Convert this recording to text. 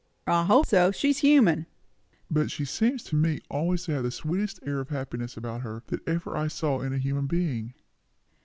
"I hope so. She's human." "But she seems to me always to have the sweetest air of happiness about her, that ever I saw in a human being."